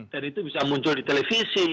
dan itu bisa muncul di televisi